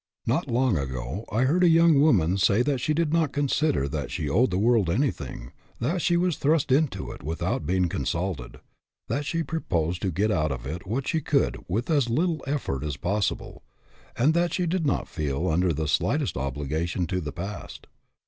Not long ago I heard a young woman say that she did not consider that she owed the world anything, that she was thrust into it without being consulted, that she proposed to get out of it what she could with as little effort as pos sible, and that she did not feel under the slight est obligation to the past.